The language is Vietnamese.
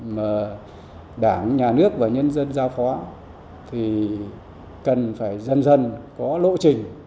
mà đảng nhà nước và nhân dân giao phó thì cần phải dần dần có lộ trình